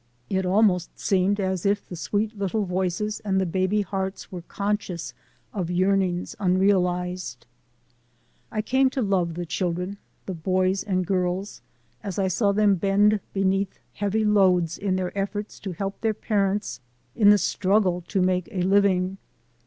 It almost seemed as if the sweet little voices and the baby hearts were conscious of yearnings unrealized. I came to love the children, the boys and girls, as I saw them bend beneath heavy loads in their efforts to help their parents in the struggle to make a living.